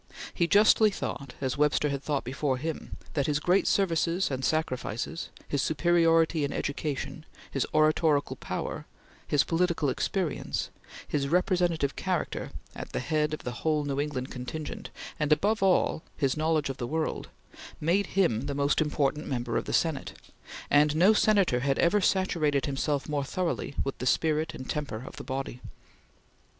He justly thought, as Webster had thought before him, that his great services and sacrifices, his superiority in education, his oratorical power, his political experience, his representative character at the head of the whole New England contingent, and, above all, his knowledge of the world, made him the most important member of the Senate; and no Senator had ever saturated himself more thoroughly with the spirit and temper of the body.